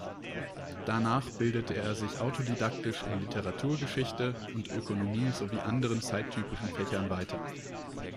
Danach bildete er sich autodidaktisch in Literaturgeschichte und Ökonomie sowie anderen zeittypischen Fächern weiter.